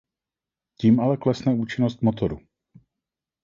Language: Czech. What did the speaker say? Tím ale klesne účinnost motoru.